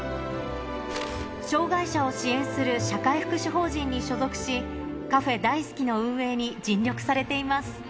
障がい者を支援する社会福祉法人に所属し、カフェ大好きの運営に尽力されています。